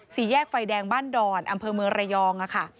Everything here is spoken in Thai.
สี่แยกไฟแดงบ้านดอนอำเภอเมืองระยองค่ะ